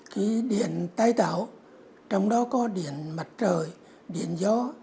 cái điện tái tạo trong đó có điện mặt trời điện gió